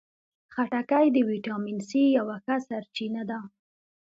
خټکی د ویټامین سي یوه ښه سرچینه ده.